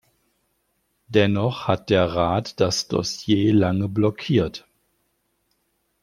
Dennoch hat der Rat das Dossier lange blockiert.